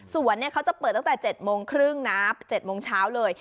เขาจะเปิดตั้งแต่๗โมงครึ่งนะ๗โมงเช้าเลย